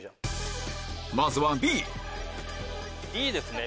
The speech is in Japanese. まずはＢＢですね。